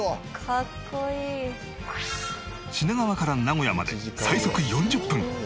「かっこいい」品川から名古屋まで最速４０分